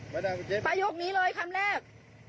ประโยคนี้เลยคำแรก